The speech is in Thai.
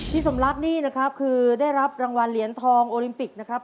สมรักนี่นะครับคือได้รับรางวัลเหรียญทองโอลิมปิกนะครับ